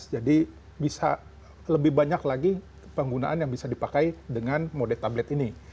jadi bisa lebih banyak lagi penggunaan yang bisa dipakai dengan mode tablet ini